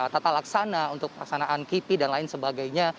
tata laksana untuk pelaksanaan kipi dan lain sebagainya